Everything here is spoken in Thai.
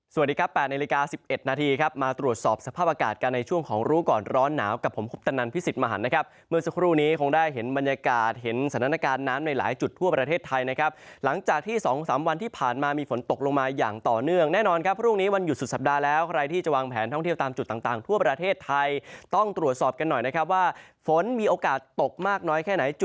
สวัสดีครับ๘นาฬิกา๑๑นาทีครับมาตรวจสอบสภาพอากาศกันในช่วงของรู้ก่อนร้อนหนาวกับผมคุบตะนันพิสิทธิ์มหันนะครับเมื่อสักครู่นี้คงได้เห็นบรรยากาศเห็นสถานการณ์น้ำในหลายจุดทั่วประเทศไทยนะครับหลังจากที่สองสามวันที่ผ่านมามีฝนตกลงมาอย่างต่อเนื่องแน่นอนครับพรุ่งนี้วันหยุดสุ